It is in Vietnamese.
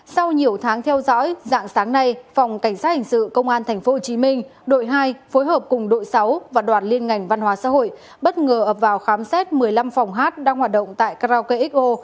sau nhiều tháng theo dõi dạng sáng nay phòng cảnh sát hình sự công an tp hcm đội hai phối hợp cùng đội sáu và đoàn liên ngành văn hóa xã hội bất ngờ ập vào khám xét một mươi năm phòng hát đang hoạt động tại karaoke xo